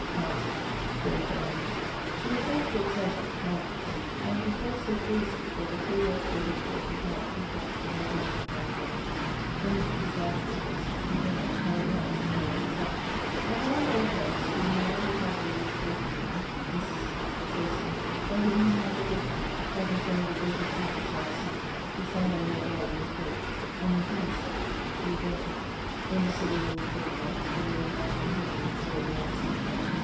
li. (quaere J E). He was very short sighted (μυοψ), and did worke so curiously that the curiosity of his worke is not to be judged without a magnifying glasse. When he tooke his landskaps, he, then, had a glasse to helpe his sight. At Arundel house he maried with my ladle's wayting woman, Mrs. ... Tracy, by whom he haz a daughter, that was one of the greatest beauties I have seen; his son by her dyed in the plague, an ingeniose youth, drew delicately. When the civil warres brake out, the Lord Marshall had leave to goe beyond sea[CXXXI.]. Mr.